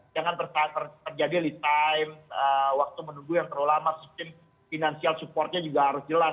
jangan terjadi real time waktu menunggu yang terlalu lama sistem financial supportnya juga harus jelas